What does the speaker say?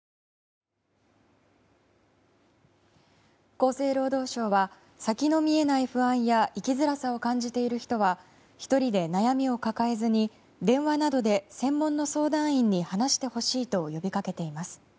厚生労働省は先の見えない不安や生きづらさを感じている人は１人で悩みを抱えずに電話などで専門の相談員に話してほしいと呼びかけています。